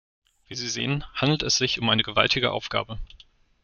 Wie Sie sehen, handelt es sich um eine gewaltige Aufgabe.